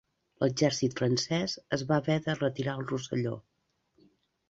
L'exèrcit francés es va haver de retirar al Rosselló.